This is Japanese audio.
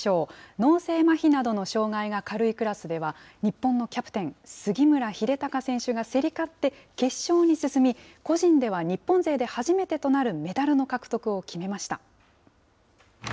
脳性まひなどの障害が軽いクラスでは、日本のキャプテン、杉村英孝選手が競り勝って、決勝に進み、個人では日本勢で初めてとなるメダルの獲得を決めました。